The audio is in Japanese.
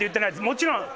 もちろん。